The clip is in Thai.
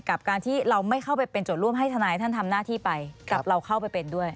กับการที่เราไม่เข้าไปเป็นโจทย์ร่วมให้ทนายท่านทำหน้าที่ไปกับเราเข้าไปเป็นด้วย